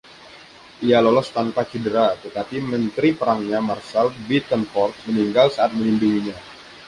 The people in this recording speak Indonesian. Ia lolos tanpa cedera, tetapi menteri perangnya, Marshal Bittencourt, meninggal saat melindunginya.